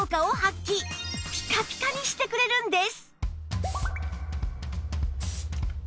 ピカピカにしてくれるんです